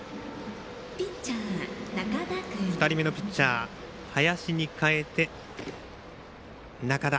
２人目のピッチャー林に代えて中田。